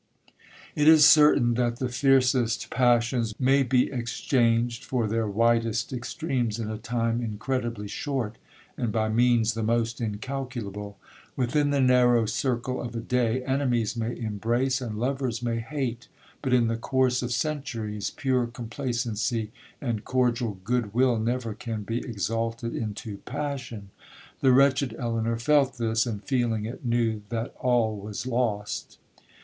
'It is certain that the fiercest passions may be exchanged for their widest extremes in a time incredibly short, and by means the most incalculable. Within the narrow circle of a day, enemies may embrace, and lovers may hate,—but, in the course of centuries, pure complacency and cordial good will never can be exalted into passion. The wretched Elinor felt this,—and feeling it, knew that all was lost.